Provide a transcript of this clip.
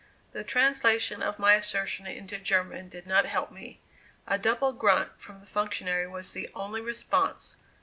The translation of my assertion into German did not help me; a double grunt from the functionary was the only response.